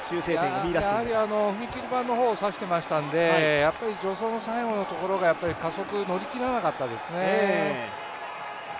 やはり踏切板の方を指してましたんで助走の最後のところが加速、乗り切らなかったですね。